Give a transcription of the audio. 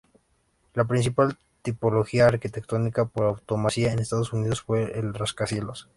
La principal tipología arquitectónica por antonomasia en Estados Unidos fue el rascacielos.